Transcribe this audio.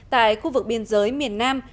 tại khu vực biên giới miền nam